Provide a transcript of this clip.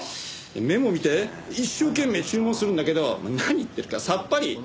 メモ見て一生懸命注文するんだけど何言ってるかさっぱり。